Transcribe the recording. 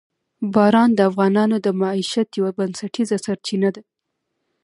باران د افغانانو د معیشت یوه بنسټیزه سرچینه ده.